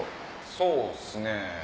そうっすね。